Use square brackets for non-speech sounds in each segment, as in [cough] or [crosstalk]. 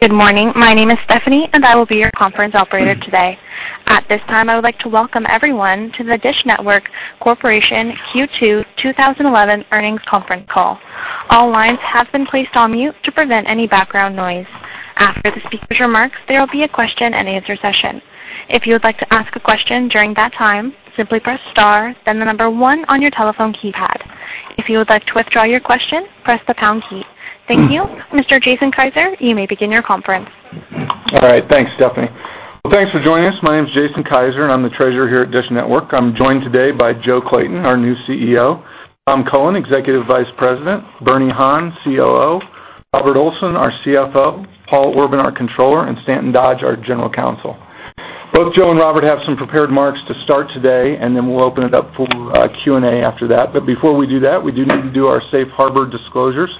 Good morning. My name is Stephanie. I will be your conference operator today. At this time, I would like to welcome everyone to the DISH Network Corporation Q2 2011 earnings conference call. All lines have been placed on mute to prevent any background noise. After the speaker's remarks, there will be a question-and-answer session. If you would like to ask a question during that time, simply press star then the number 1 on your telephone keypad. If you would like to withdraw your question, press the pound key. Thank you. Mr. Jason Kiser, you may begin your conference. All right. Thanks, Stephanie. Thanks for joining us. My name is Jason Kiser, and I'm the Treasurer here at DISH Network. I'm joined today by Joe Clayton, our new CEO; Tom Cullen, Executive Vice President; Bernie Han, COO; Robert Olson, our CFO; Paul Orban, our Controller, and Stanton Dodge, our General Counsel. Both Joe and Robert have some prepared remarks to start today, and then we'll open it up for Q&A after that. Before we do that, we do need to do our safe harbor disclosures.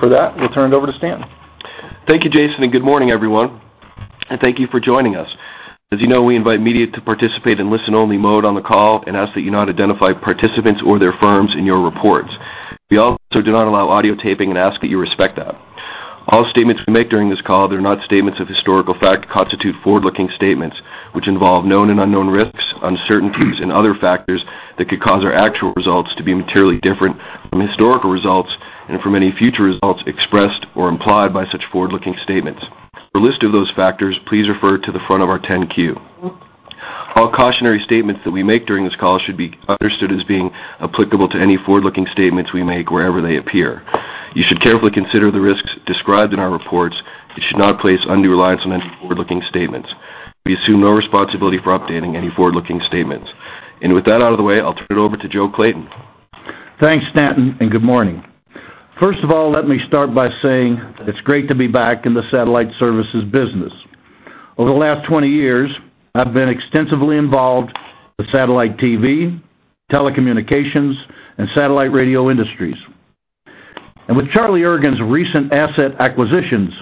For that, we'll turn it over to Stanton. Thank you, Jason, and good morning, everyone, and thank you for joining us. As you know, we invite media to participate in listen-only mode on the call and ask that you not identify participants or their firms in your reports. We also do not allow audio taping and ask that you respect that. All statements we make during this call that are not statements of historical fact constitute forward-looking statements, which involve known and unknown risks, uncertainties, and other factors that could cause our actual results to be materially different from historical results and from any future results expressed or implied by such forward-looking statements. For a list of those factors, please refer to the front of our 10-Q. All cautionary statements that we make during this call should be understood as being applicable to any forward-looking statements we make wherever they appear. You should carefully consider the risks described in our reports. You should not place undue reliance on any forward-looking statements. We assume no responsibility for updating any forward-looking statements. With that out of the way, I'll turn it over to Joe Clayton. Thanks, Stanton, and good morning. First of all, let me start by saying that it's great to be back in the satellite services business. Over the last 20 years, I've been extensively involved with satellite TV, telecommunications, and satellite radio industries. With Charlie Ergen's recent asset acquisitions,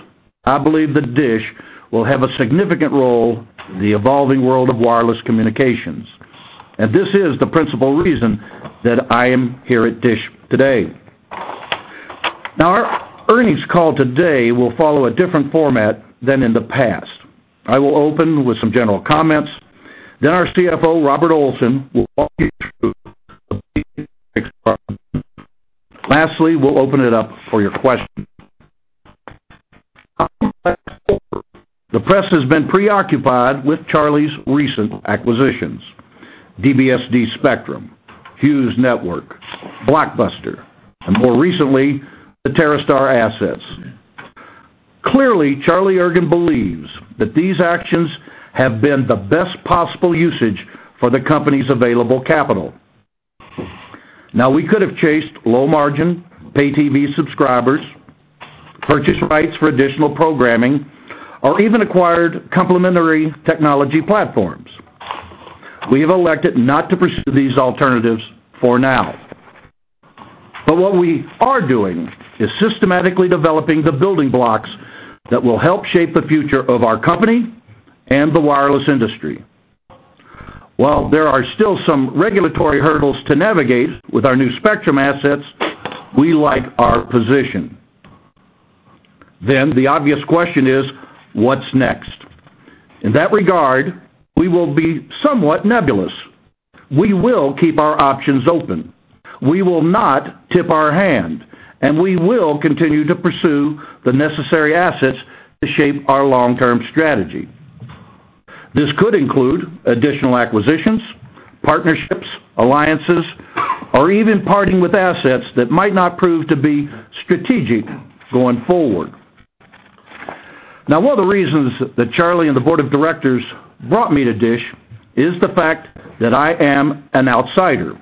I believe that DISH will have a significant role in the evolving world of wireless communications. This is the principal reason that I am here at DISH today. Now, our earnings call today will follow a different format than in the past. I will open with some general comments. Then our CFO, Robert Olson, will walk you through. [audio distortion] Lastly, we'll open it up for your questions. [audio distortion] The press has been preoccupied with Charlie's recent acquisitions, DBSD spectrum, Hughes Network, Blockbuster, and more recently, the TerreStar assets. Clearly, Charlie Ergen believes that these actions have been the best possible usage for the company's available capital. We could have chased low margin, pay TV subscribers, purchase rights for additional programming, or even acquired complementary technology platforms. We have elected not to pursue these alternatives for now. What we are doing is systematically developing the building blocks that will help shape the future of our company and the wireless industry. While there are still some regulatory hurdles to navigate with our new spectrum assets, we like our position. The obvious question is, what's next? In that regard, we will be somewhat nebulous. We will keep our options open. We will not tip our hand, and we will continue to pursue the necessary assets to shape our long-term strategy. This could include additional acquisitions, partnerships, alliances, or even parting with assets that might not prove to be strategic going forward. One of the reasons that Charlie and the board of directors brought me to DISH is the fact that I am an outsider.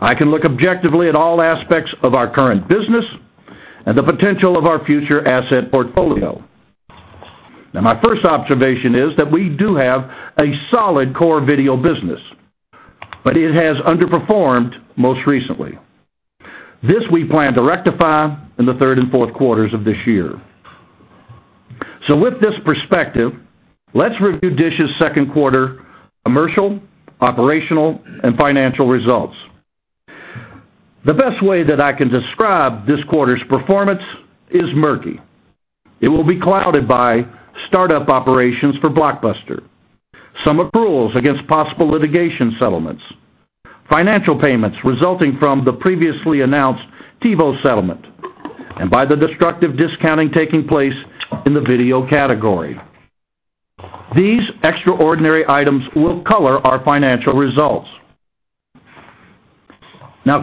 I can look objectively at all aspects of our current business and the potential of our future asset portfolio. My first observation is that we do have a solid core video business, but it has underperformed most recently. This we plan to rectify in the third and fourth quarters of this year. With this perspective, let's review DISH's second quarter commercial, operational, and financial results. The best way that I can describe this quarter's performance is murky. It will be clouded by startup operations for Blockbuster, some approvals against possible litigation settlements, financial payments resulting from the previously announced TiVo settlement, and by the destructive discounting taking place in the video category. These extraordinary items will color our financial results.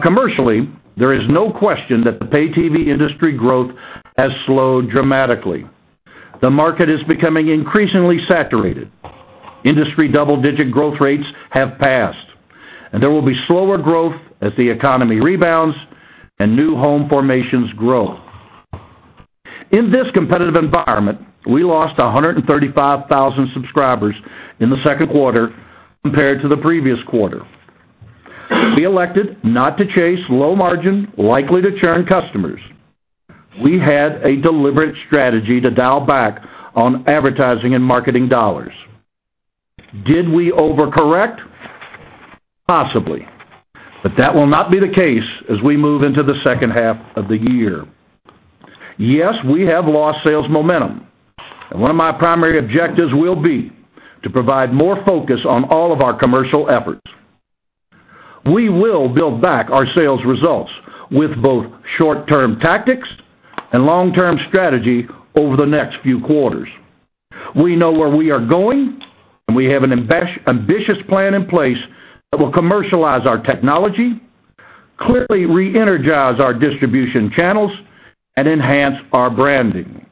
Commercially, there is no question that the pay TV industry growth has slowed dramatically. The market is becoming increasingly saturated. Industry double-digit growth rates have passed, and there will be slower growth as the economy rebounds and new home formations grow. In this competitive environment, we lost 135,000 subscribers in the second quarter compared to the previous quarter. We elected not to chase low margin likely to churn customers. We had a deliberate strategy to dial back on advertising and marketing dollars. Did we overcorrect? Possibly. That will not be the case as we move into the second half of the year. Yes, we have lost sales momentum, and one of my primary objectives will be to provide more focus on all of our commercial efforts. We will build back our sales results with both short-term tactics and long-term strategy over the next few quarters. We know where we are going, and we have an ambitious plan in place that will commercialize our technology, clearly re-energize our distribution channels, and enhance our branding.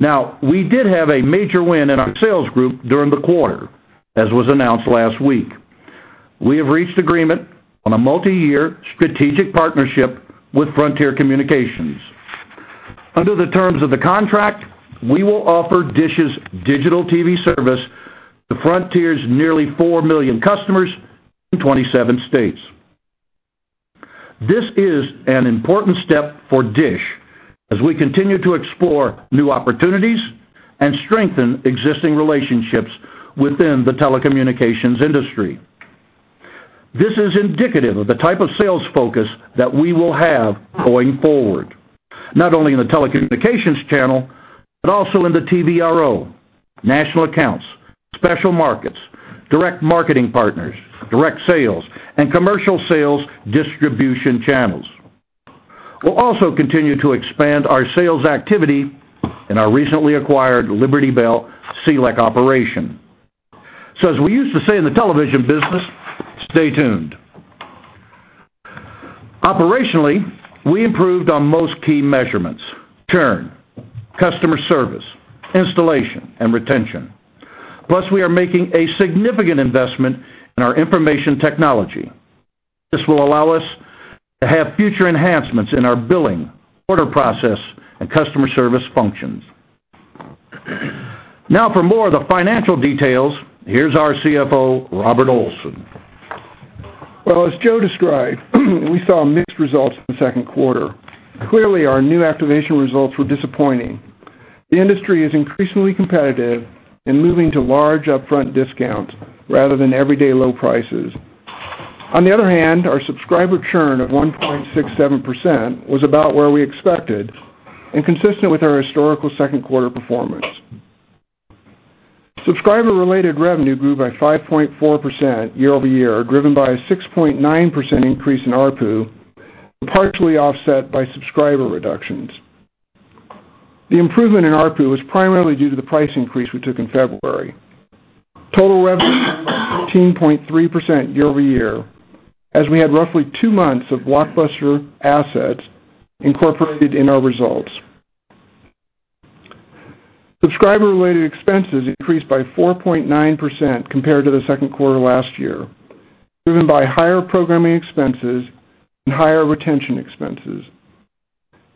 Now, we did have a major win in our sales group during the quarter, as was announced last week. We have reached agreement on a multi-year strategic partnership with Frontier Communications. Under the terms of the contract, we will offer DISH's digital TV service to Frontier's nearly 4 million customers in 27 states. This is an important step for DISH as we continue to explore new opportunities and strengthen existing relationships within the telecommunications industry. This is indicative of the type of sales focus that we will have going forward, not only in the telecommunications channel, but also in the TVRO, national accounts, special markets, direct marketing partners, direct sales, and commercial sales distribution channels. We'll also continue to expand our sales activity in our recently acquired Liberty Bell CLEC operation. As we used to say in the television business, stay tuned. Operationally, we improved on most key measurements, churn, customer service, installation, and retention. Plus, we are making a significant investment in our information technology. This will allow us to have future enhancements in our billing, order process, and customer service functions. Now for more of the financial details, here's our CFO, Robert Olson. As Joe described, we saw mixed results in the second quarter. Clearly, our new activation results were disappointing. The industry is increasingly competitive and moving to large upfront discounts rather than everyday low prices. On the other hand, our subscriber churn at 1.67% was about where we expected and consistent with our historical second-quarter performance. Subscriber-related revenue grew by 5.4% year-over-year, driven by a 6.9% increase in ARPU, partially offset by subscriber reductions. The improvement in ARPU was primarily due to the price increase we took in February. Total revenue 15.3% year-over-year, as we had roughly two months of Blockbuster assets incorporated in our results. Subscriber-related expenses increased by 4.9% compared to the second quarter last year, driven by higher programming expenses and higher retention expenses.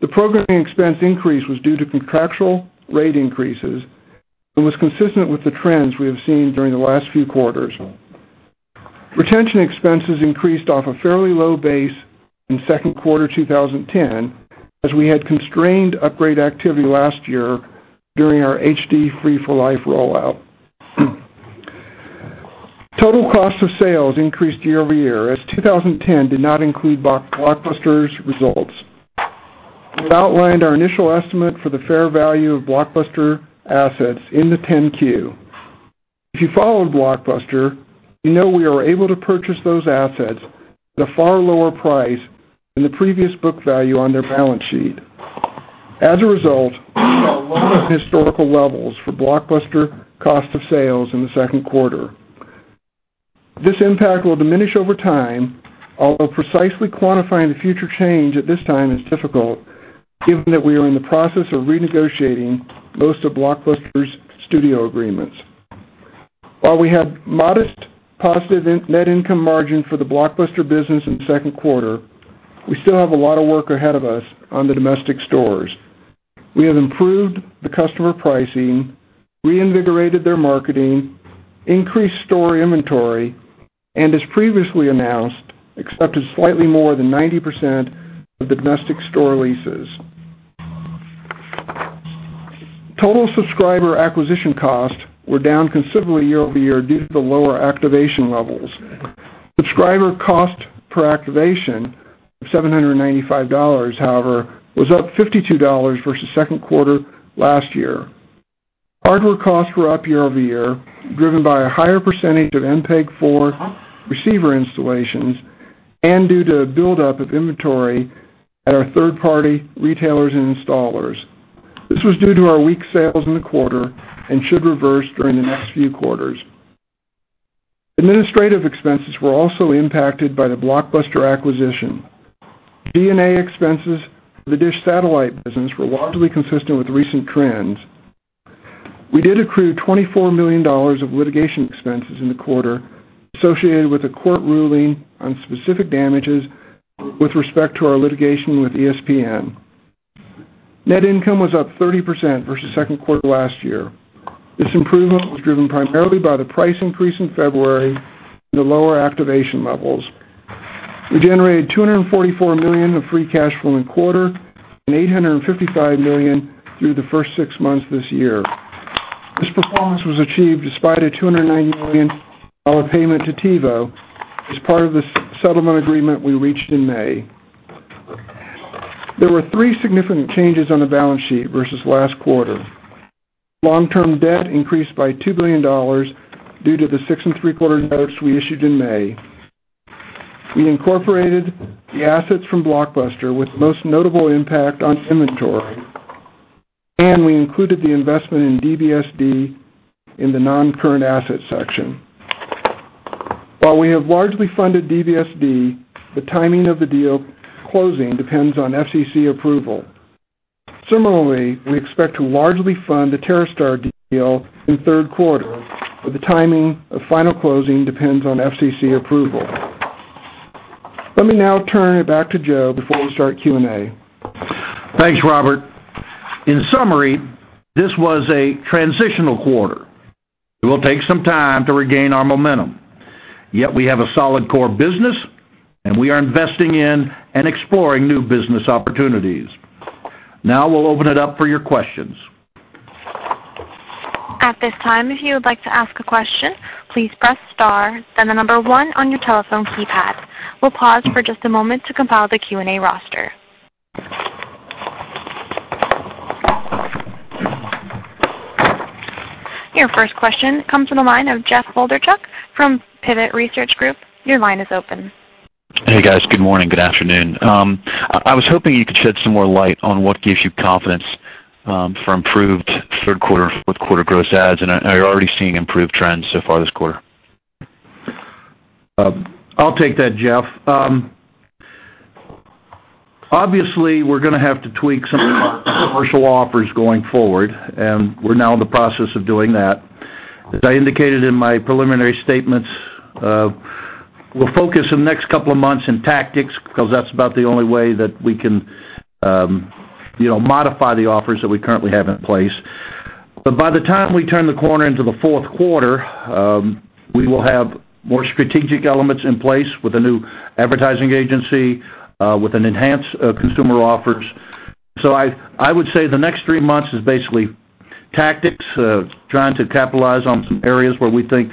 The programming expense increase was due to contractual rate increases and was consistent with the trends we have seen during the last few quarters. Retention expenses increased off a fairly low base in second quarter 2010, as we had constrained upgrade activity last year during our HD Free for Life rollout. Total cost of sales increased year-over-year, as 2010 did not include Blockbuster's results. We've outlined our initial estimate for the fair value of Blockbuster assets in the 10-Q. If you follow Blockbuster, you know we were able to purchase those assets at a far lower price than the previous book value on their balance sheet. As a result, we saw lower historical levels for Blockbuster cost of sales in the second quarter. This impact will diminish over time, although precisely quantifying the future change at this time is difficult, given that we are in the process of renegotiating most of Blockbuster's studio agreements. While we had modest positive net income margin for the Blockbuster business in the second quarter, we still have a lot of work ahead of us on the domestic stores. We have improved the customer pricing, reinvigorated their marketing, increased store inventory, and as previously announced, accepted slightly more than 90% of the domestic store leases. Total subscriber acquisition costs were down considerably year-over-year due to the lower activation levels. Subscriber cost per activation of $795, however, was up $52 versus second quarter last year. Hardware costs were up year-over-year, driven by a higher percentage of MPEG-4 receiver installations and due to a buildup of inventory at our third-party retailers and installers. This was due to our weak sales in the quarter and should reverse during the next few quarters. Administrative expenses were also impacted by the Blockbuster acquisition. D&A expenses for the DISH Satellite business were largely consistent with recent trends. We did accrue $24 million of litigation expenses in the quarter associated with a court ruling on specific damages with respect to our litigation with ESPN. Net income was up 30% versus second quarter last year. This improvement was driven primarily by the price increase in February and the lower activation levels. We generated $244 million of free cash flow in quarter and $855 million through the first six months this year. This performance was achieved despite a $290 million payment to TiVo as part of the settlement agreement we reached in May. There were three significant changes on the balance sheet versus last quarter. Long-term debt increased by $2 billion due to the 6 3/4% Senior Notes we issued in May. We incorporated the assets from Blockbuster with most notable impact on inventory, and we included the investment in DBSD in the non-current asset section. While we have largely funded DBSD, the timing of the deal closing depends on FCC approval. Similarly, we expect to largely fund the TerreStar deal in third quarter, but the timing of final closing depends on FCC approval. Let me now turn it back to Joe before we start Q&A. Thanks, Robert. In summary, this was a transitional quarter. It will take some time to regain our momentum. Yet we have a solid core business, and we are investing in and exploring new business opportunities. Now we'll open it up for your questions. Your first question comes from the line of Jeff Wlodarczak from Pivotal Research Group. Your line is open. Hey, guys. Good morning. Good afternoon. I was hoping you could shed some more light on what gives you confidence for improved third quarter, fourth quarter gross ads, and are you already seeing improved trends so far this quarter? I'll take that, Jeff. Obviously, we're going to have to tweak some of our commercial offers going forward, and we're now in the process of doing that. As I indicated in my preliminary statements, we'll focus in the next couple of months in tactics because that's about the only way that we can, you know, modify the offers that we currently have in place. By the time we turn the corner into the fourth quarter, we will have more strategic elements in place with a new advertising agency, with an enhanced consumer offers. I would say the next three months is basically tactics, trying to capitalize on some areas where we think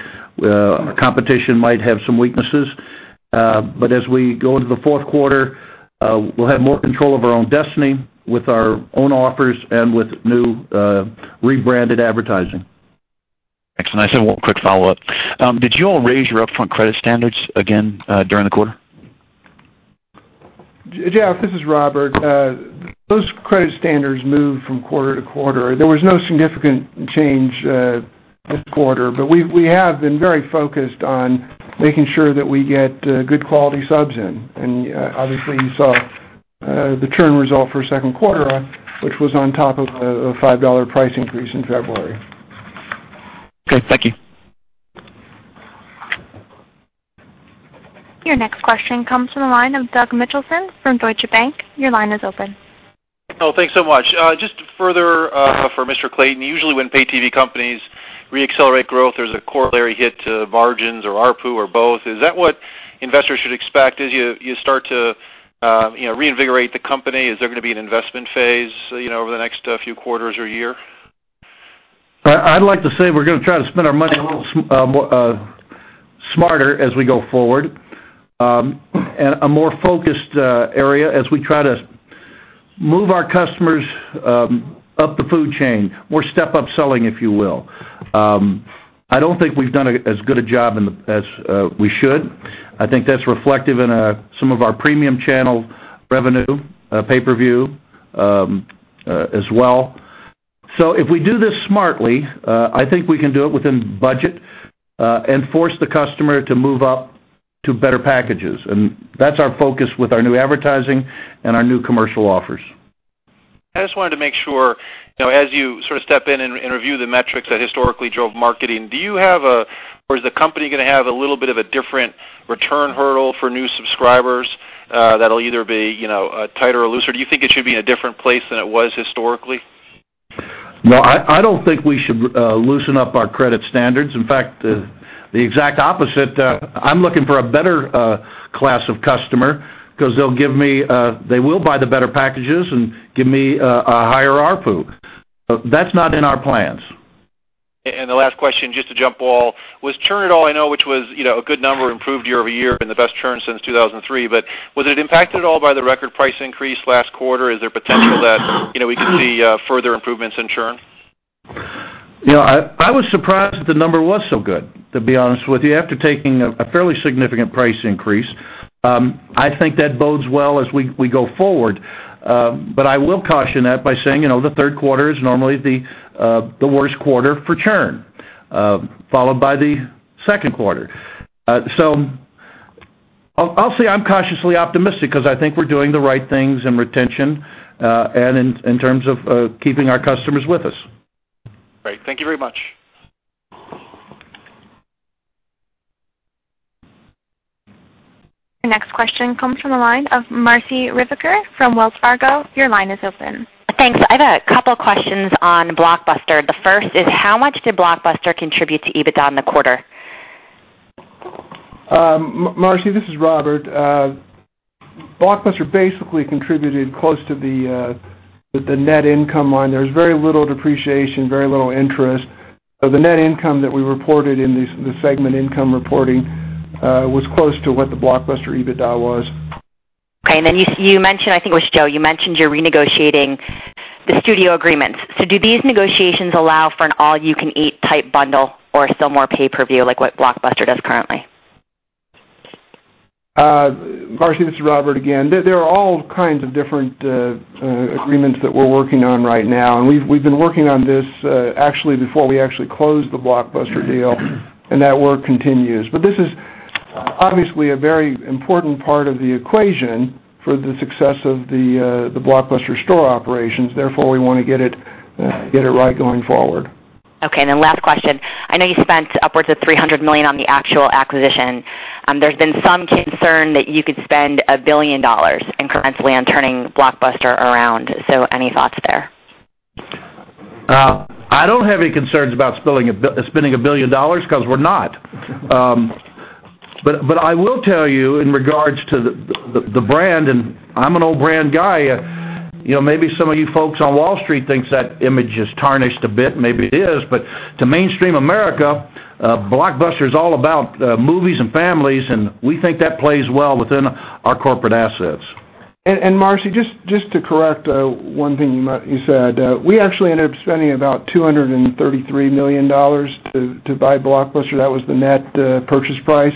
competition might have some weaknesses. As we go into the fourth quarter, we'll have more control of our own destiny with our own offers and with new, rebranded advertising. Excellent. I just have one quick follow-up. Did you all raise your upfront credit standards again during the quarter? Jeff, this is Robert. Those credit standards move from quarter to quarter. There was no significant change this quarter, but we have been very focused on making sure that we get good quality subs in. Obviously, you saw the churn result for second quarter, which was on top of the $5 price increase in February. Okay, thank you. Your next question comes from the line of Douglas Mitchelson from Deutsche Bank. Your line is open. Thanks so much. Just further for Mr. Clayton, usually when pay TV companies reaccelerate growth, there's a corollary hit to margins or ARPU or both. Is that what investors should expect as you start to, you know, reinvigorate the company? Is there gonna be an investment phase, you know, over the next few quarters or year? I'd like to say we're gonna try to spend our money a little more smarter as we go forward, and a more focused area as we try to move our customers up the food chain, more step-up selling, if you will. I don't think we've done as good a job as we should. I think that's reflective in some of our premium channel revenue, pay-per-view, as well. If we do this smartly, I think we can do it within budget, and force the customer to move up to better packages. That's our focus with our new advertising and our new commercial offers. I just wanted to make sure, you know, as you sort of step in and review the metrics that historically drove marketing, do you have a or is the company gonna have a little bit of a different return hurdle for new subscribers, that'll either be, you know, tighter or looser? Do you think it should be in a different place than it was historically? No, I don't think we should loosen up our credit standards. In fact, the exact opposite. I'm looking for a better class of customer because they will buy the better packages and give me a higher ARPU. That's not in our plans. The last question, just to jump ball. Was churn at all I know, which was, you know, a good number, improved year-over-year and the best churn since 2003. Was it impacted at all by the record price increase last quarter? Is there potential that, you know, we could see further improvements in churn? You know, I was surprised the number was so good, to be honest with you, after taking a fairly significant price increase. I think that bodes well as we go forward. I will caution that by saying, you know, the third quarter is normally the worst quarter for churn, followed by the second quarter. I'll say I'm cautiously optimistic because I think we're doing the right things in retention, and in terms of keeping our customers with us. Great. Thank you very much. Your next question comes from the line of Marci Ryvicker from Wells Fargo. Your line is open. Thanks. I have a couple questions on Blockbuster. The first is, how much did Blockbuster contribute to EBITDA in the quarter? Marci, this is Robert. Blockbuster basically contributed close to the net income line. There was very little depreciation, very little interest. The net income that we reported in these, the segment income reporting, was close to what the Blockbuster EBITDA was. Okay. You mentioned, I think it was Joe, you mentioned you're renegotiating the studio agreements. Do these negotiations allow for an all-you-can-eat type bundle or still more pay-per-view like what Blockbuster does currently? Marci, this is Robert again. There are all kinds of different agreements that we're working on right now. We've been working on this actually before we actually closed the Blockbuster deal, and that work continues. This is obviously a very important part of the equation for the success of the Blockbuster store operations. Therefore, we wanna get it right going forward. Okay. Last question. I know you spent upwards of $300 million on the actual acquisition. There's been some concern that you could spend $1 billion in currently on turning Blockbuster around. Any thoughts there? I don't have any concerns about spending $1 billion 'cause we're not. I will tell you in regards to the brand, and I'm an old brand guy, you know, maybe some of you folks on Wall Street thinks that image is tarnished a bit, maybe it is. To mainstream America, Blockbuster is all about movies and families, and we think that plays well within our corporate assets. Marci, just to correct one thing you said. We actually ended up spending about $233 million to buy Blockbuster. That was the net purchase price.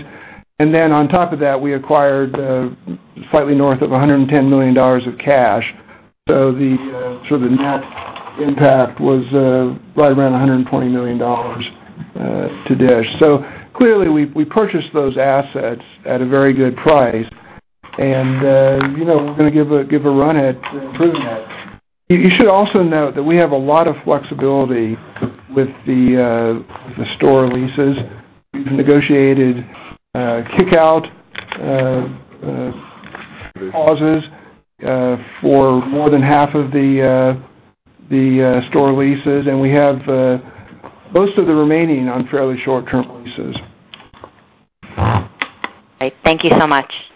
Then on top of that, we acquired slightly north of $110 million of cash. The sort of net impact was right around $120 million to DISH. Clearly, we purchased those assets at a very good price. You know, we're gonna give a run at improving that. You should also note that we have a lot of flexibility with the store leases. We've negotiated kick-out clauses for more than half of the store leases, and we have most of the remaining on fairly short-term leases. Great. Thank you so much.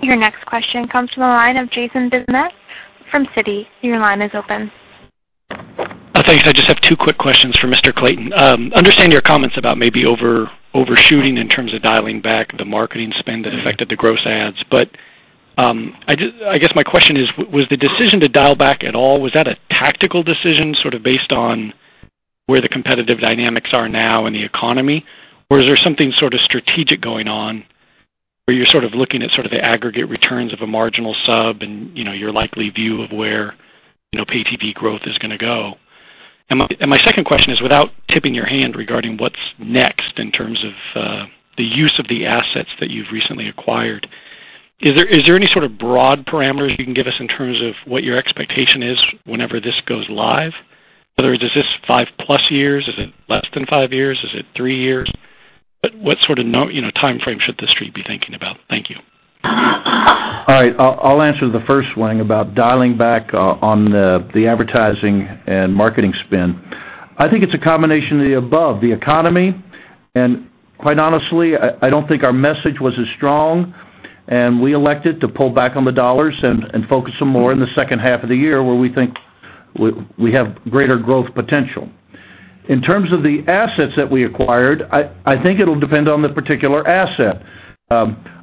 Your next question comes from the line of Jason Bazinet from Citi. Your line is open. Thanks. I just have two quick questions for Mr. Clayton. Understand your comments about maybe overshooting in terms of dialing back the marketing spend that affected the gross adds. I guess my question is, was the decision to dial back at all, was that a tactical decision sort of based on where the competitive dynamics are now in the economy? Is there something sort of strategic going on where you're sort of looking at sort of the aggregate returns of a marginal sub and, you know, your likely view of where, you know, PTV growth is gonna go? My second question is, without tipping your hand regarding what's next in terms of the use of the assets that you've recently acquired, is there any sort of broad parameters you can give us in terms of what your expectation is whenever this goes live? In other words, is this 5+ years? Is it less than five years? Is it three years? What sort of, you know, time frame should The Street be thinking about? Thank you. All right. I'll answer the first one about dialing back on the advertising and marketing spend. I think it's a combination of the above, the economy, and quite honestly, I don't think our message was as strong, and we elected to pull back on the dollars and focus some more in the second half of the year where we think we have greater growth potential. In terms of the assets that we acquired, I think it'll depend on the particular asset.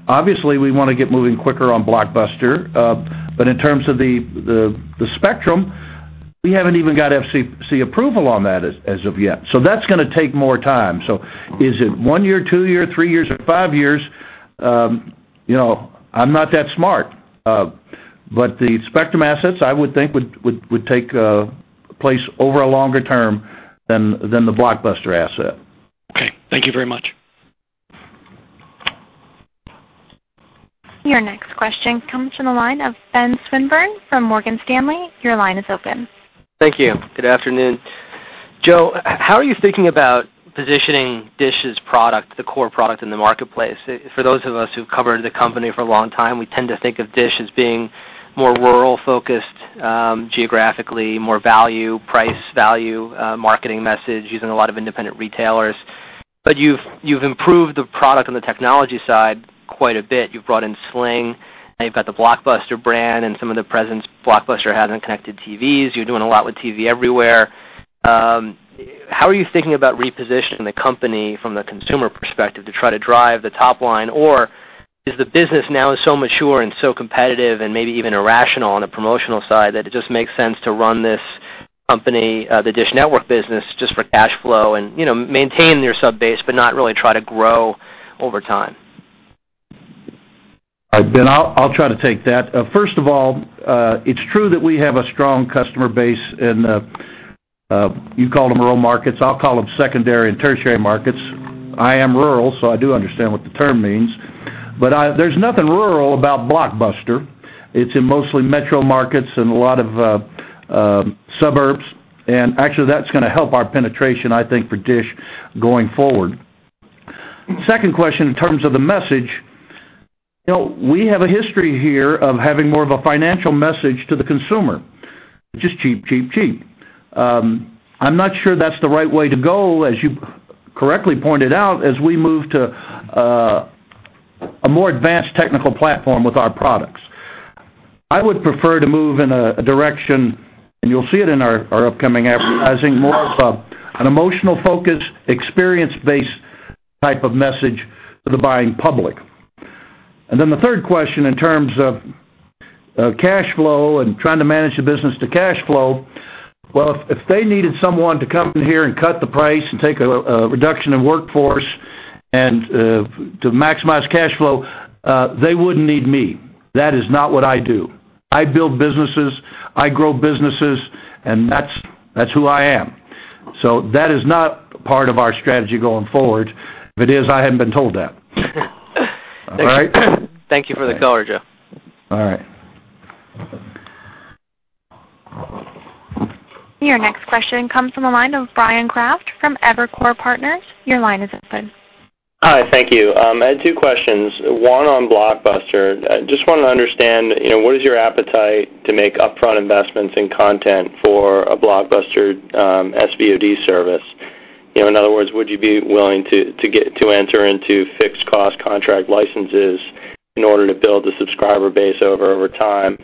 Obviously, we wanna get moving quicker on Blockbuster, but in terms of the spectrum, we haven't even got FCC approval on that as of yet. That's gonna take more time. Is it one year, two years, three years, or five years? You know, I'm not that smart. The spectrum assets, I would think would take place over a longer term than the Blockbuster asset. Okay. Thank you very much. Your next question comes from the line of Benjamin Swinburne from Morgan Stanley. Your line is open. Thank you. Good afternoon. Joe, how are you thinking about positioning DISH's product, the core product in the marketplace? For those of us who've covered the company for a long time, we tend to think of DISH as being more rural focused, geographically, more value, price value, marketing message using a lot of independent retailers. You've improved the product on the technology side quite a bit. You've brought in Sling, and you've got the Blockbuster brand and some of the presence Blockbuster has in connected TVs. You're doing a lot with TV Everywhere. How are you thinking about repositioning the company from the consumer perspective to try to drive the top line? Is the business now so mature and so competitive and maybe even irrational on a promotional side that it just makes sense to run this company, the DISH Network business, just for cash flow and, you know, maintain their sub-base but not really try to grow over time? All right, Ben, I'll try to take that. First of all, it's true that we have a strong customer base in, you call them rural markets, I'll call them secondary and tertiary markets. I am rural, I do understand what the term means. There's nothing rural about Blockbuster. It's in mostly metro markets and a lot of suburbs. Actually, that's gonna help our penetration, I think, for DISH going forward. Second question in terms of the message, you know, we have a history here of having more of a financial message to the consumer, which is cheap, cheap, cheap. I'm not sure that's the right way to go, as you correctly pointed out, as we move to a more advanced technical platform with our products. I would prefer to move in a direction, and you'll see it in our upcoming advertising, more of an emotional focus, experience-based type of message to the buying public. The third question, in terms of cash flow and trying to manage the business to cash flow, well, if they needed someone to come in here and cut the price and take a reduction in workforce and to maximize cash flow, they wouldn't need me. That is not what I do. I build businesses, I grow businesses, and that's who I am. That is not part of our strategy going forward. If it is, I hadn't been told that. All right? Thank you for the color, Joe. All right. Your next question comes from the line of Bryan Kraft from Evercore Partners. Your line is open. Hi. Thank you. I had two questions, one on Blockbuster. Just want to understand, you know, what is your appetite to make upfront investments in content for a Blockbuster SVOD service? You know, in other words, would you be willing to enter into fixed-cost contract licenses in order to build the subscriber base over time?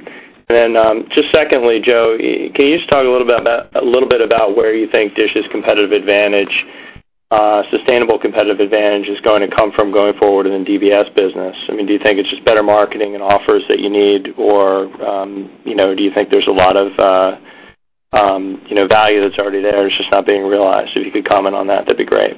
Just secondly, Joe, can you just talk a little bit about where you think DISH's competitive advantage, sustainable competitive advantage is going to come from going forward in the DBS business? I mean, do you think it's just better marketing and offers that you need or, you know, do you think there's a lot of value that's already there that's just not being realized? If you could comment on that'd be great.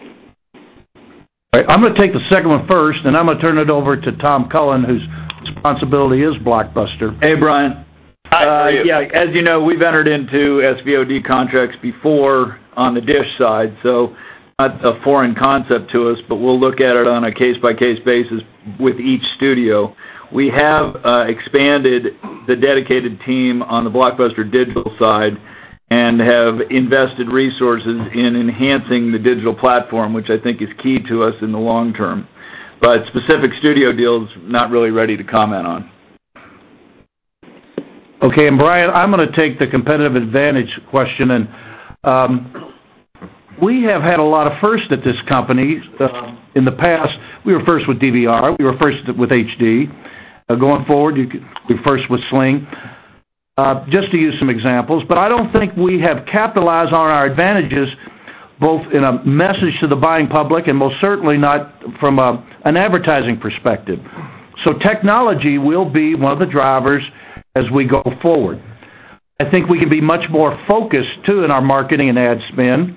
All right, I'm gonna take the second one first, then I'm gonna turn it over to Tom Cullen, whose responsibility is Blockbuster. Hey, Bryan. Hi, how are you? Yeah, as you know, we've entered into SVOD contracts before on the DISH side, so not a foreign concept to us, but we'll look at it on a case-by-case basis with each studio. We have expanded the dedicated team on the Blockbuster digital side and have invested resources in enhancing the digital platform, which I think is key to us in the long term. Specific studio deals, not really ready to comment on. Okay. Bryan, I'm gonna take the competitive advantage question. We have had a lot of firsts at this company. In the past, we were first with DVR, we were first with HD. Going forward, we're first with Sling, just to use some examples. I don't think we have capitalized on our advantages, both in a message to the buying public and most certainly not from an advertising perspective. Technology will be one of the drivers as we go forward. I think we can be much more focused, too, in our marketing and ad spend.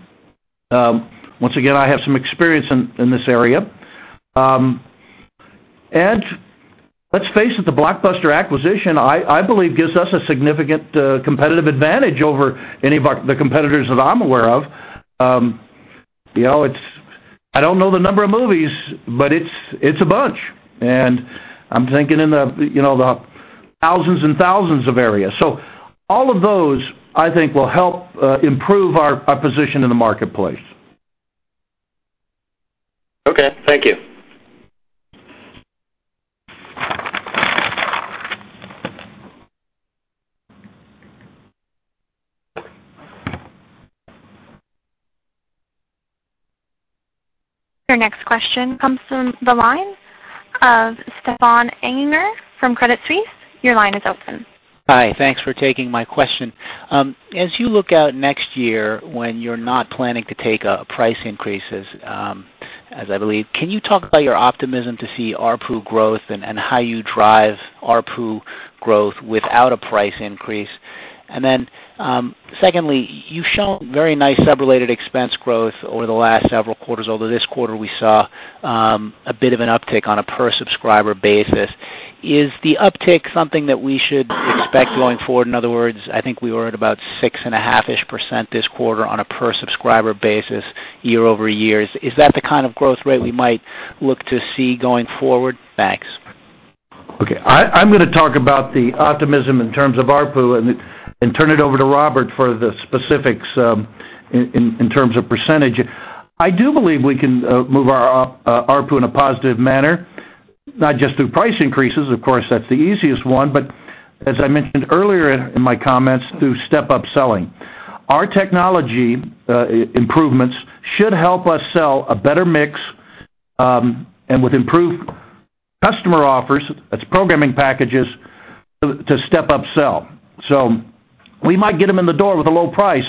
Once again, I have some experience in this area. Let's face it, the Blockbuster acquisition, I believe gives us a significant competitive advantage over any of the competitors that I'm aware of. You know, I don't know the number of movies, but it's a bunch. I'm thinking in the, you know, the thousands and thousands of areas. All of those, I think, will help improve our position in the marketplace. Okay. Thank you. Your next question comes from the line of Stefan Anninger from Credit Suisse. Your line is open. Hi. Thanks for taking my question. As you look out next year when you're not planning to take price increases, as I believe, can you talk about your optimism to see ARPU growth and how you drive ARPU growth without a price increase? Secondly, you've shown very nice sub-related expense growth over the last several quarters. Although this quarter, we saw a bit of an uptick on a per subscriber basis. Is the uptick something that we should expect going forward? In other words, I think we were at about 6.5% this quarter on a per subscriber basis year-over-year. Is that the kind of growth rate we might look to see going forward? Thanks. Okay. I'm gonna talk about the optimism in terms of ARPU and turn it over to Robert for the specifics in terms of percentage. I do believe we can move our ARPU in a positive manner, not just through price increases. Of course, that's the easiest one, but as I mentioned earlier in my comments, through step-up selling. Our technology improvements should help us sell a better mix and with improved customer offers, that's programming packages, to step-up sell. We might get them in the door with a low price,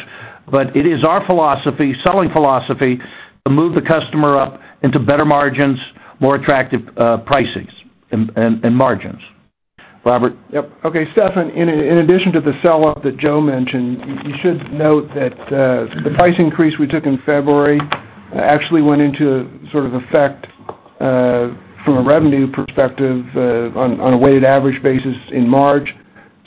but it is our philosophy, selling philosophy, to move the customer up into better margins, more attractive pricings and margins. Robert? Yep. Okay, Stefan, in addition to the sell-up that Joe mentioned, you should note that the price increase we took in February actually went into sort of effect from a revenue perspective on a weighted average basis in March.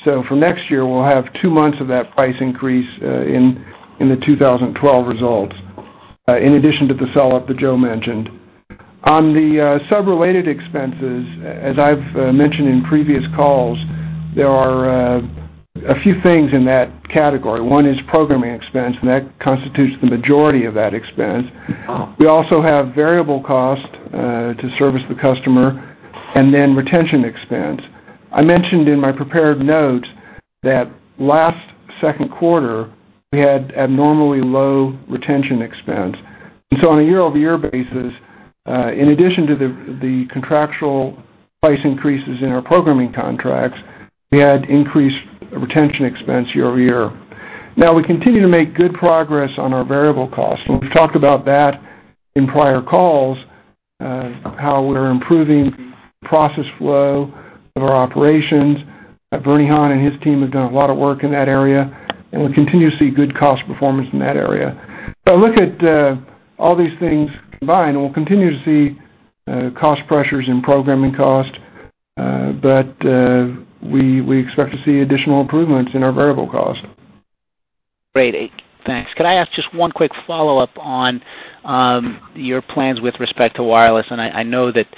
For next year, we'll have two months of that price increase in the 2012 results in addition to the sell-up that Joe mentioned. On the sub-related expenses, as I've mentioned in previous calls, there are a few things in that category. One is programming expense, and that constitutes the majority of that expense. We also have variable cost to service the customer and then retention expense. I mentioned in my prepared note that last second quarter we had abnormally low retention expense. On a year-over-year basis, in addition to the contractual price increases in our programming contracts, we had increased retention expense year-over-year. We continue to make good progress on our variable costs. We've talked about that in prior calls, how we're improving process flow of our operations. Bernie Han and his team have done a lot of work in that area, and we continue to see good cost performance in that area. Look at all these things combined, and we'll continue to see cost pressures in programming cost, but we expect to see additional improvements in our variable costs. Great. Thanks. Could I ask just one quick follow-up on, your plans with respect to wireless? I know that,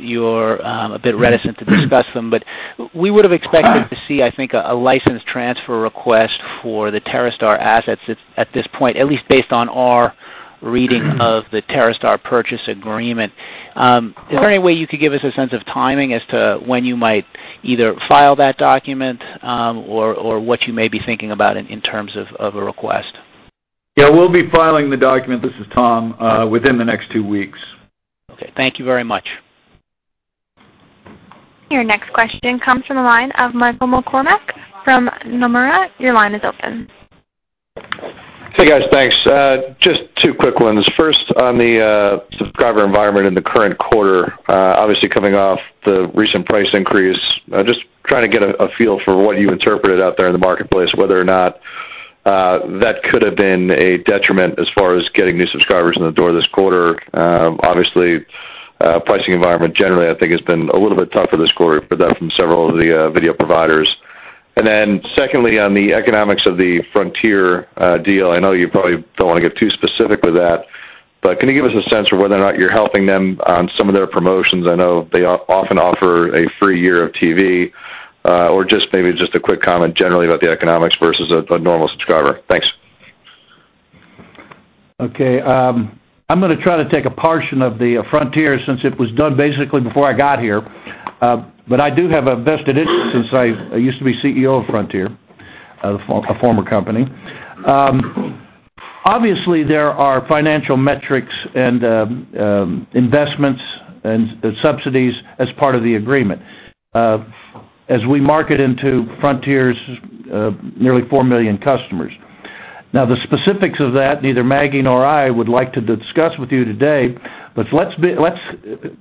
you're a bit reticent to discuss them, but we would've expected to see, I think, a license transfer request for the TerreStar assets at this point, at least based on our reading of the TerreStar purchase agreement. Yeah. Is there any way you could give us a sense of timing as to when you might either file that document, or what you may be thinking about in terms of a request? Yeah, we'll be filing the document, this is Tom, within the next two weeks. Okay, thank you very much. Your next question comes from the line of Michael McCormack from Nomura. Your line is open. Hey, guys. Thanks. Just two quick ones. First, on the subscriber environment in the current quarter, obviously coming off the recent price increase, I'm just trying to get a feel for what you interpreted out there in the marketplace, whether or not that could have been a detriment as far as getting new subscribers in the door this quarter. Obviously, pricing environment generally I think has been a little bit tough for this quarter. We've heard that from several of the video providers. Secondly, on the economics of the Frontier deal, I know you probably don't want to get too specific with that, but can you give us a sense of whether or not you're helping them on some of their promotions? I know they often offer a free year of TV. Just maybe a quick comment generally about the economics versus a normal subscriber. Thanks. Okay. I'm going to try to take a portion of the Frontier since it was done basically before I got here. I do have a vested interest since I used to be CEO of Frontier, a former company. Obviously, there are financial metrics and investments and subsidies as part of the agreement, as we market into Frontier's nearly four million customers. The specifics of that, neither Maggie nor I would like to discuss with you today, let's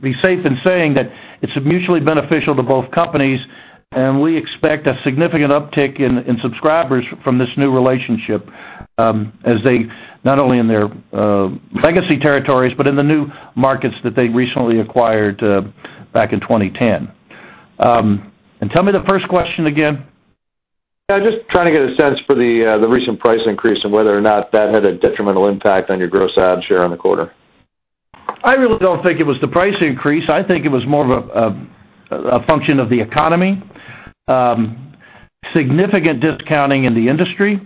be safe in saying that it's mutually beneficial to both companies, and we expect a significant uptick in subscribers from this new relationship, as they not only in their legacy territories but in the new markets that they recently acquired, back in 2010. Tell me the first question again. Yeah, just trying to get a sense for the recent price increase, and whether or not that had a detrimental impact on your gross add share on the quarter. I really don't think it was the price increase. I think it was more of a function of the economy. Significant discounting in the industry.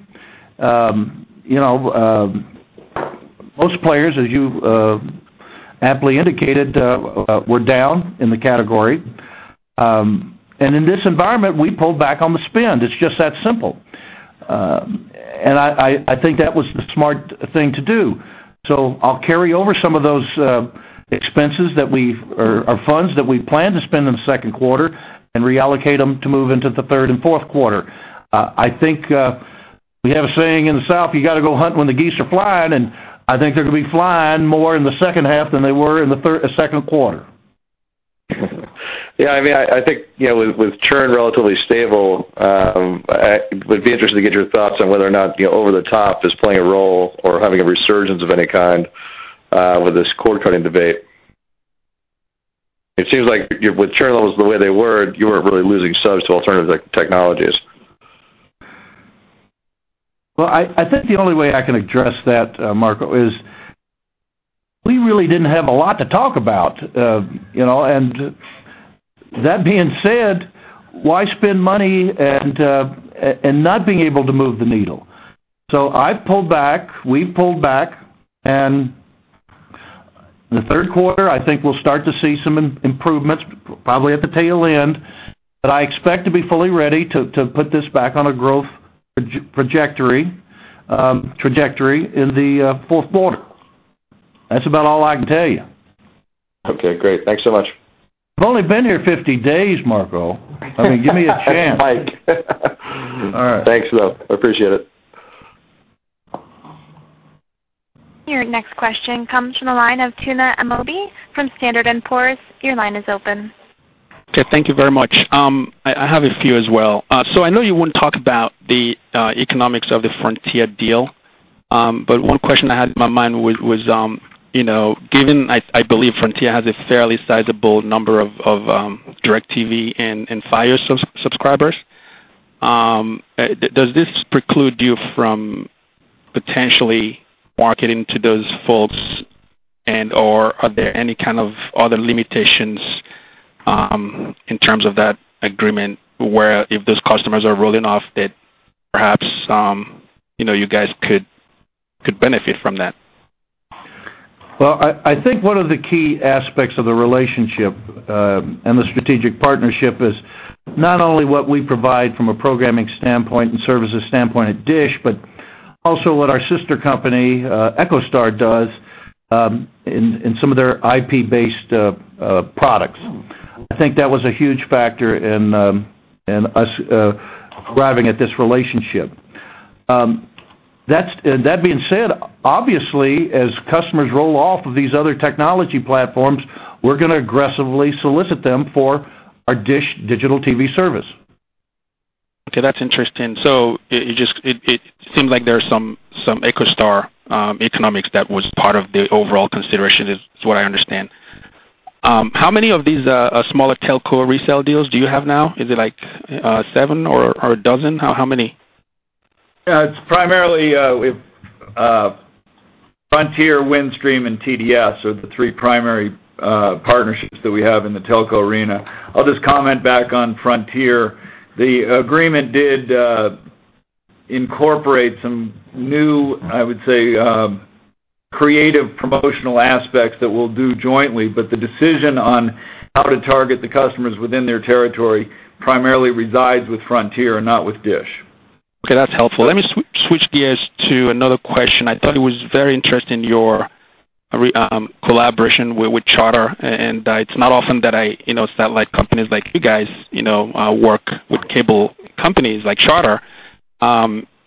You know, most players, as you've aptly indicated, were down in the category. In this environment, we pulled back on the spend. It's just that simple. I think that was the smart thing to do. I'll carry over some of those expenses that we've or funds that we plan to spend in the second quarter and reallocate them to move into the third and fourth quarter. I think we have a saying in the South, "You gotta go hunt when the geese are flying," I think they're gonna be flying more in the second half than they were in the second quarter. Yeah, I mean, I think, you know, with churn relatively stable, I would be interested to get your thoughts on whether or not, you know, over-the-top is playing a role or having a resurgence of any kind with this cord-cutting debate. It seems like with churn levels the way they were, you weren't really losing subs to alternative technologies. I think the only way I can address that, Marco, is we really didn't have a lot to talk about, you know. That being said, why spend money and not being able to move the needle? I pulled back. We pulled back. In the third quarter, I think we'll start to see some improvements, probably at the tail end, but I expect to be fully ready to put this back on a growth trajectory in the fourth quarter. That's about all I can tell you. Okay, great. Thanks so much. I've only been here 50 days, Marco. I mean, give me a chance. Mike. All right. Thanks, though. Appreciate it. Your next question comes from the line of Tuna Amobi from Standard & Poor's. Your line is open. Okay, thank you very much. I have a few as well. I know you wouldn't talk about the economics of the Frontier deal, but one question I had in my mind was, you know, given I believe Frontier has a fairly sizable number of DIRECTV and FiOS subscribers, does this preclude you from potentially marketing to those folks? Or are there any kind of other limitations in terms of that agreement where if those customers are rolling off that perhaps, you know, you guys could benefit from that? Well, I think one of the key aspects of the relationship, and the strategic partnership is not only what we provide from a programming standpoint and services standpoint at DISH, but also what our sister company, EchoStar does, in some of their IP-based products. I think that was a huge factor in us arriving at this relationship. That being said, obviously, as customers roll off of these other technology platforms, we're going to aggressively solicit them for our DISH digital TV service. Okay, that's interesting. It just seems like there's some EchoStar economics that was part of the overall consideration is what I understand. How many of these smaller telco resale deals do you have now? Is it like seven or a dozen? How many? Yeah, it's primarily, we've, Frontier, Windstream, and TDS are the three primary partnerships that we have in the telco arena. I'll just comment back on Frontier. The agreement did incorporate some new, I would say, creative promotional aspects that we'll do jointly, but the decision on how to target the customers within their territory primarily resides with Frontier and not with DISH. Okay, that's helpful. Let me switch gears to another question. I thought it was very interesting your collaboration with Charter, and it's not often that I, you know, satellite companies like you guys, you know, work with cable companies like Charter.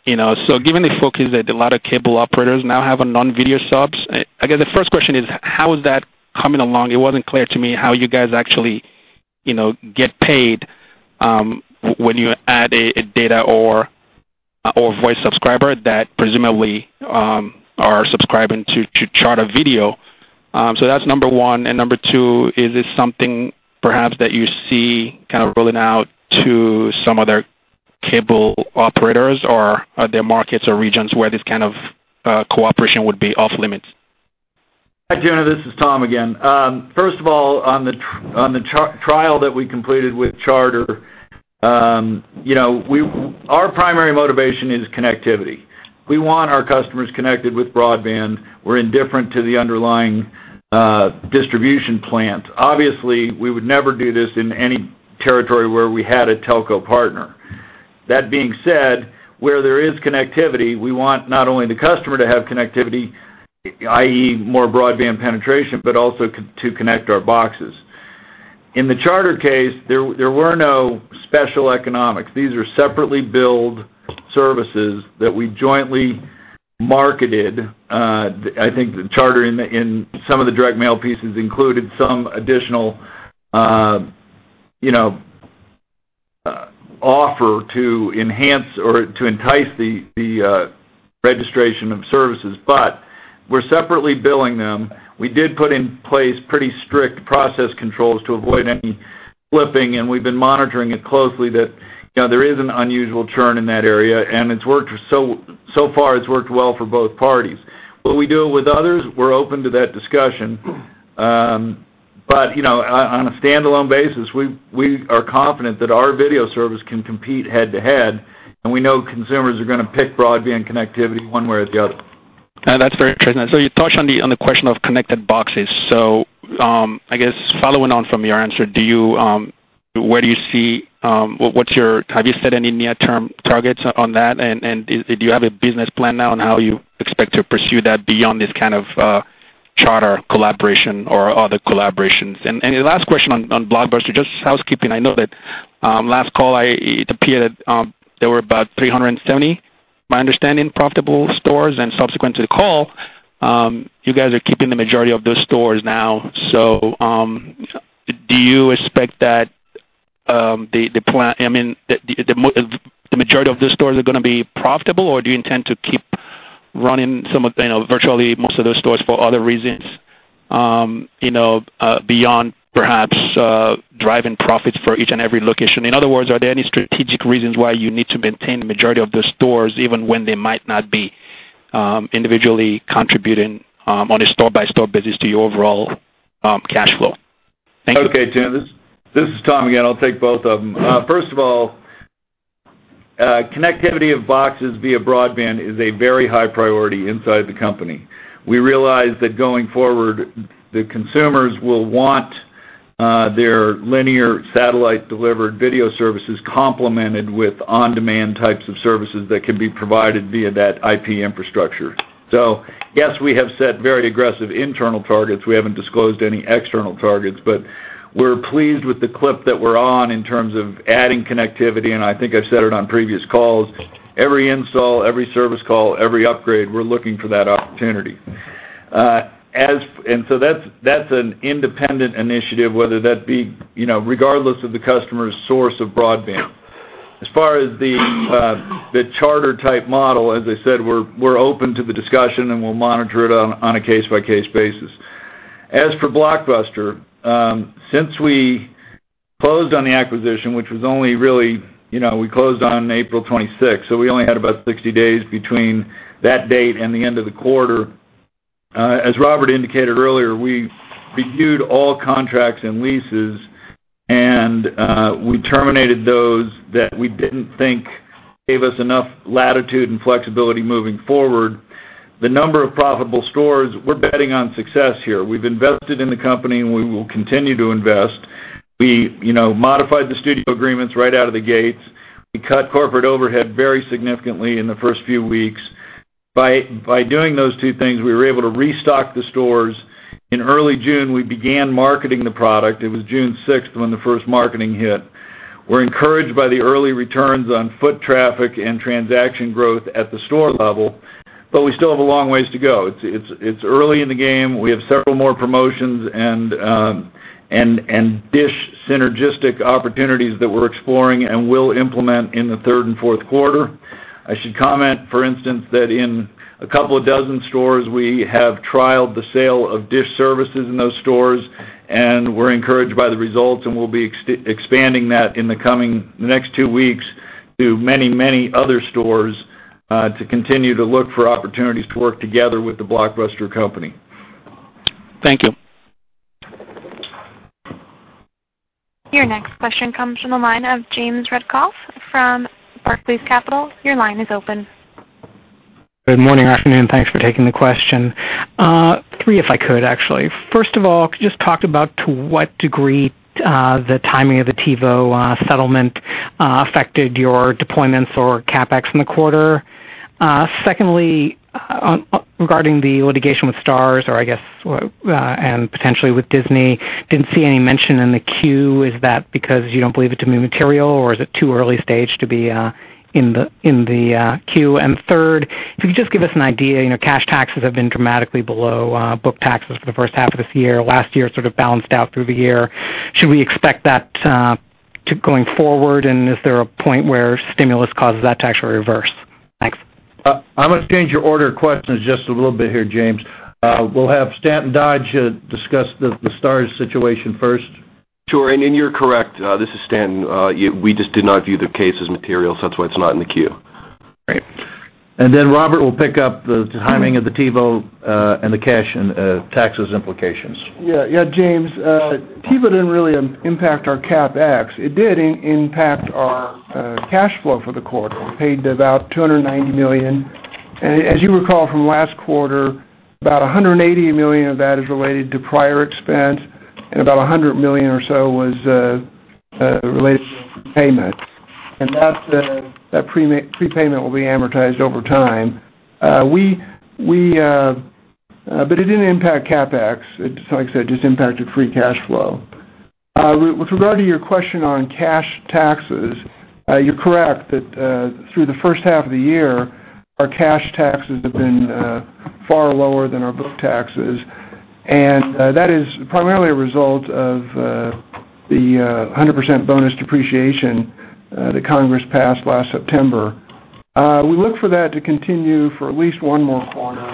You know, given the focus that a lot of cable operators now have on non-video subs, I guess the first question is, how is that coming along? It wasn't clear to me how you guys actually, you know, get paid when you add a data or voice subscriber that presumably are subscribing to Charter video. That's number one. Number two, is this something perhaps that you see kind of rolling out to some other cable operators, or are there markets or regions where this kind of cooperation would be off-limits? Hi, Tuna. This is Tom again. First of all, on the trial that we completed with Charter, you know, our primary motivation is connectivity. We want our customers connected with broadband. We're indifferent to the underlying distribution plant. Obviously, we would never do this in any territory where we had a telco partner. That being said, where there is connectivity, we want not only the customer to have connectivity, i.e., more broadband penetration, but also to connect our boxes. In the Charter case, there were no special economics. These are separately billed services that we jointly marketed. I think Charter in some of the direct mail pieces included some additional, you know, offer to enhance or to entice the registration of services. But we're separately billing them. We did put in place pretty strict process controls to avoid any flipping. We've been monitoring it closely that, you know, there is an unusual churn in that area, and it's worked so far, it's worked well for both parties. Will we do it with others? We're open to that discussion. You know, on a standalone basis, we are confident that our video service can compete head-to-head. We know consumers are gonna pick broadband connectivity one way or the other. That's very interesting. You touched on the question of connected boxes. I guess following on from your answer, where do you see, what's your, have you set any near-term targets on that? Do you have a business plan now on how you expect to pursue that beyond this kind of Charter collaboration or other collaborations? The last question on Blockbuster, just housekeeping. I know that last call, it appeared that there were about 370, my understanding, profitable stores. Subsequent to the call, you guys are keeping the majority of those stores now. Do you expect that the plan, I mean, the majority of the stores are gonna be profitable, or do you intend to keep running some of, you know, virtually most of those stores for other reasons, you know, beyond perhaps driving profits for each and every location? In other words, are there any strategic reasons why you need to maintain the majority of the stores, even when they might not be individually contributing on a store-by-store basis to your overall cash flow? Thank you. Okay, [Tuna]. This is Tom again. I'll take both of them. First of all, connectivity of boxes via broadband is a very high priority inside the company. We realize that going forward, the consumers will want their linear satellite-delivered video services complemented with on-demand types of services that can be provided via that IP infrastructure. Yes, we have set very aggressive internal targets. We haven't disclosed any external targets, but we're pleased with the clip that we're on in terms of adding connectivity, and I think I've said it on previous calls. Every install, every service call, every upgrade, we're looking for that opportunity. That's an independent initiative, whether that be, you know, regardless of the customer's source of broadband. As far as the Charter-type model, as I said, we're open to the discussion and we'll monitor it on a case-by-case basis. For Blockbuster, since we closed on the acquisition, which was only really, you know, we closed on April 26th, so we only had about 60 days between that date and the end of the quarter. As Robert indicated earlier, we reviewed all contracts and leases, and we terminated those that we didn't think gave us enough latitude and flexibility moving forward. The number of profitable stores, we're betting on success here. We've invested in the company, and we will continue to invest. We, you know, modified the studio agreements right out of the gates. We cut corporate overhead very significantly in the first few weeks. By doing those two things, we were able to restock the stores. In early June, we began marketing the product. It was June 6th when the first marketing hit. We're encouraged by the early returns on foot traffic and transaction growth at the store level, but we still have a long way to go. It's early in the game. We have several more promotions and DISH synergistic opportunities that we're exploring and will implement in the third and fourth quarter. I should comment, for instance, that in a couple of dozen stores, we have trialed the sale of DISH services in those stores, and we're encouraged by the results, and we'll be expanding that in the next two weeks to many, many other stores to continue to look for opportunities to work together with the Blockbuster company. Thank you. Your next question comes from the line of James Ratcliffe from Barclays Capital. Your line is open. Good morning, afternoon. Thanks for taking the question. Three, if I could, actually. First of all, could you just talk about to what degree the timing of the TiVo settlement affected your deployments or CapEx in the quarter? Secondly, regarding the litigation with Starz or I guess, and potentially with Disney, didn't see any mention in the 10-Q. Is that because you don't believe it to be material, or is it too early stage to be in the 10-Q? Third, if you could just give us an idea, you know, cash taxes have been dramatically below book taxes for the first half of this year. Last year, it sort of balanced out through the year. Should we expect that to going forward, and is there a point where stimulus causes that to actually reverse? Thanks. I'm gonna change your order of questions just a little bit here, James. We'll have Stanton Dodge discuss the Starz situation first. Sure. You're correct. This is Stanton. We just did not view the case as material. That's why it's not in the Q. Great. Robert will pick up the timing of the TiVo, and the cash and taxes implications. Yeah. Yeah, James, TiVo didn't really impact our CapEx. It did impact our cash flow for the quarter. We paid about $290 million. As you recall from last quarter, about $180 million of that is related to prior expense, and about $100 million or so was related to prepayment. That prepayment will be amortized over time. We, but it didn't impact CapEx. It, like I said, just impacted free cash flow. With regard to your question on cash taxes, you're correct that through the first half of the year, our cash taxes have been far lower than our book taxes. That is primarily a result of the 100% bonus depreciation that Congress passed last September. We look for that to continue for at least one more quarter.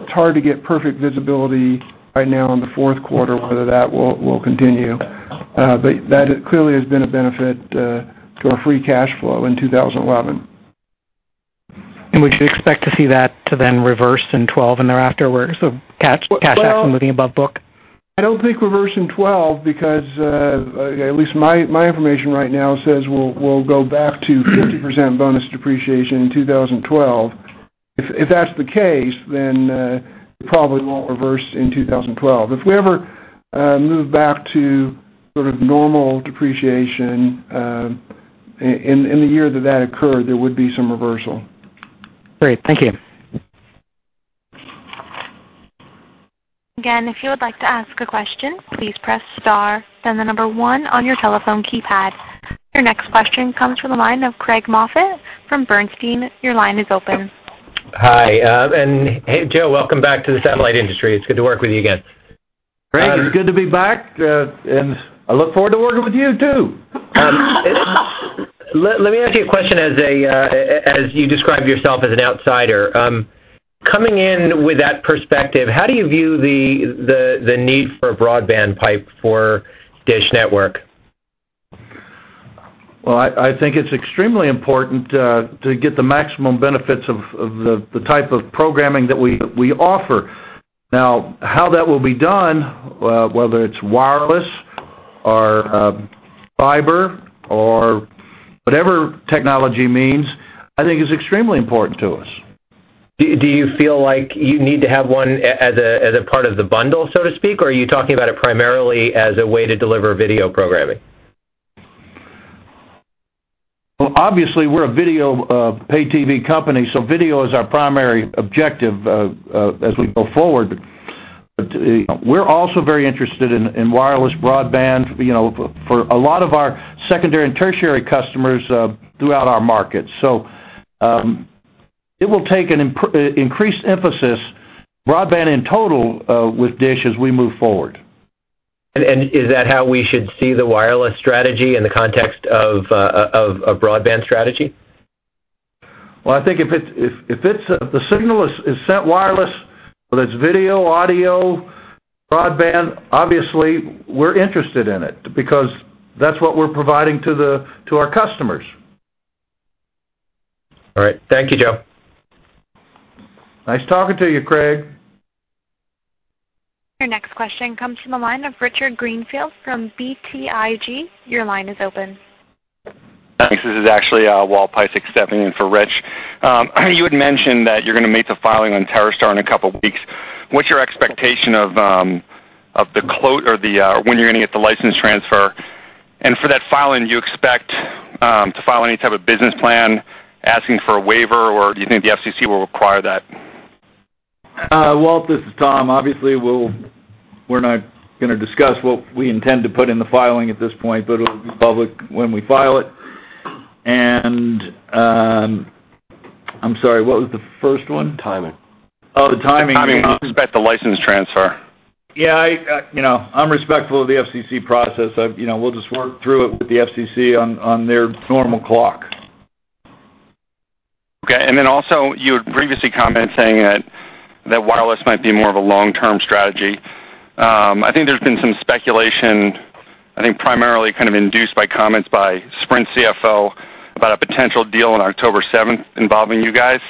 It's hard to get perfect visibility right now on the fourth quarter, whether that will continue. That clearly has been a benefit to our free cash flow in 2011. We should expect to see that to then reverse in 2012 and thereafter, where sort of cash tax moving above book? I don't think reverse in 2012 because, at least my information right now, says we'll go back to 50% bonus depreciation in 2012. If that's the case, it probably won't reverse in 2012. If we ever move back to sort of normal depreciation, in the year that that occurred, there would be some reversal. Great. Thank you. Your next question comes from the line of Craig Moffett from Bernstein. Your line is open. Hi. Hey, Joe, welcome back to the satellite industry. It's good to work with you again. Craig, it's good to be back. I look forward to working with you, too. Let me ask you a question as a, as you describe yourself as an outsider. Coming in with that perspective, how do you view the need for broadband pipe for DISH Network? Well, I think it's extremely important to get the maximum benefits of the type of programming that we offer. How that will be done, whether it's wireless, or fiber, or whatever technology means, I think is extremely important to us. Do you feel like you need to have one as a part of the bundle, so to speak? Are you talking about it primarily as a way to deliver video programming? Obviously, we're a video, pay TV company, video is our primary objective as we go forward. We're also very interested in wireless broadband, you know, for a lot of our secondary and tertiary customers throughout our market. It will take an increased emphasis, broadband in total, with DISH as we move forward. Is that how we should see the wireless strategy in the context of broadband strategy? Well, I think if it's the signal is sent wireless, whether it's video, audio, broadband, obviously, we're interested in it because that's what we're providing to our customers. All right. Thank you, Joe. Nice talking to you, Craig. Your next question comes from the line of Richard Greenfield from BTIG. Your line is open. Thanks. This is actually Walter Piecyk stepping in for Rich. You had mentioned that you're gonna make the filing on TerreStar in a couple weeks. What's your expectation of the clo-- or the, when you're gonna get the license transfer? For that filing, do you expect to file any type of business plan asking for a waiver, or do you think the FCC will require that? Walt, this is Tom. Obviously, we're not gonna discuss what we intend to put in the filing at this point, but it'll be public when we file it. I'm sorry, what was the first one? Timing. Oh, the timing. Timing, when do you expect the license transfer? Yeah, I, you know, I'm respectful of the FCC process. I, you know, we'll just work through it with the FCC on their normal clock. Okay. Also, you had previously commented saying that wireless might be more of a long-term strategy. I think there's been some speculation, I think primarily kind of induced by comments by Sprint CFO about a potential deal on October 7th involving you guys.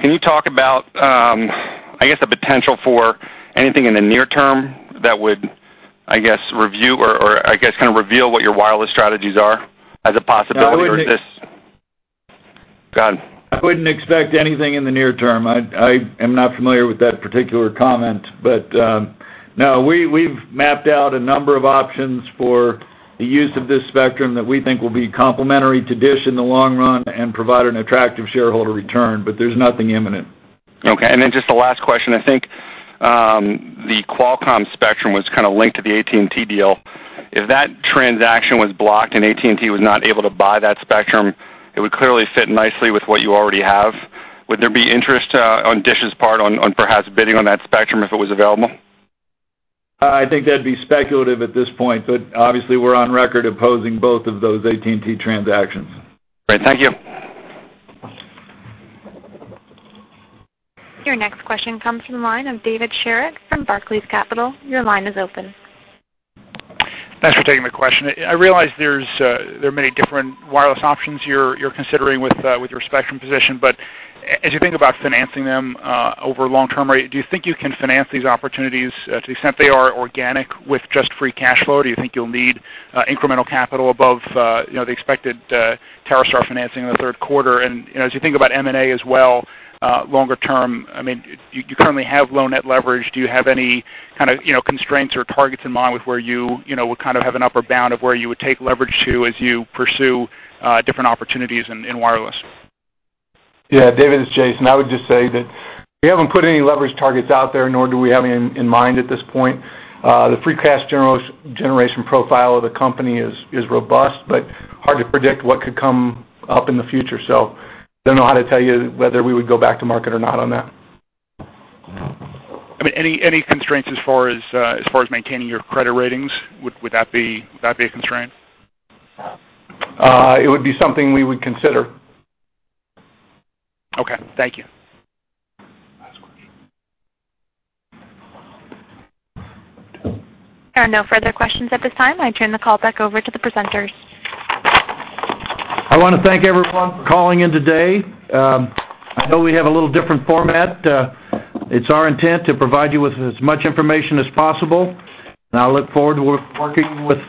Can you talk about, I guess, the potential for anything in the near term that would review, or kind of reveal what your wireless strategies are as a possibility, or is this? No, I wouldn't. Go ahead. I wouldn't expect anything in the near term. I am not familiar with that particular comment. No, we've mapped out a number of options for the use of this spectrum that we think will be complementary to DISH in the long run and provide an attractive shareholder return, but there's nothing imminent. Okay. Just the last question, I think, the Qualcomm spectrum was kinda linked to the AT&T deal. If that transaction was blocked and AT&T was not able to buy that spectrum, it would clearly fit nicely with what you already have. Would there be interest on DISH's part on perhaps bidding on that spectrum if it was available? I think that'd be speculative at this point, but obviously we're on record opposing both of those AT&T transactions. Great. Thank you. Your next question comes from the line of David Sharret from Barclays Capital. Your line is open. Thanks for taking the question. I realize there's, there are many different wireless options you're considering with your spectrum position. As you think about financing them over long term, right, do you think you can finance these opportunities to the extent they are organic with just free cash flow? Do you think you'll need incremental capital above, you know, the expected TerreStar financing in the third quarter? You know, as you think about M&A as well, longer term, I mean, you currently have low net leverage. Do you have any kinda, you know, constraints or targets in mind with where you know, would kind of have an upper bound of where you would take leverage to as you pursue different opportunities in wireless? Yeah. David, it's Jason. I would just say that we haven't put any leverage targets out there, nor do we have any in mind at this point. The free cash generation profile of the company is robust, but hard to predict what could come up in the future. Don't know how to tell you whether we would go back to market or not on that. I mean, any constraints as far as maintaining your credit ratings, would that be a constraint? It would be something we would consider. Okay. Thank you. Last question. There are no further questions at this time. I turn the call back over to the presenters. I wanna thank everyone for calling in today. I know we have a little different format. It's our intent to provide you with as much information as possible, and I look forward to working with. [audio distortion]